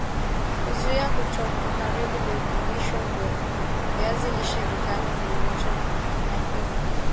Kuzuia kuto kuharibu virutubisho vya viazi lishe vikaange kwenye moto hafifu